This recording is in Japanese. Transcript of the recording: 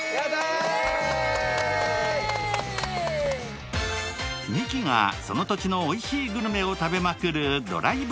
イエーイミキがその土地のおいしいグルメを食べまくるドライブ